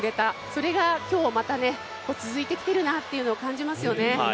それが今日、また続いてきてるなというのを感じますよね。